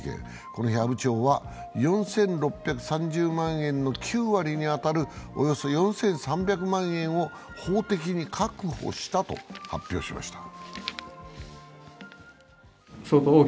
この日、阿武町は４６３０万円の９割に当たるおよそ４３００万円を法的に確保したと発表しました。